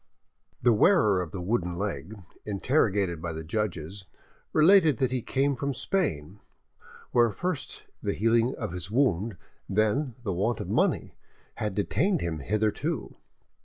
The wearer of the wooden leg, interrogated by the judges, related that he came from Spain, where first the healing of his wound, and then the want of money, had detained him hitherto.